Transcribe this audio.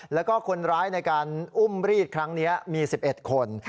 แล้วก็คนร้ายในการอุ้มรีดครั้งนี้มี๑๑คน